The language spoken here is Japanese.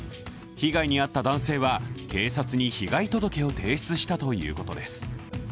被害に遭った男性は警察に被害届を提出したということです。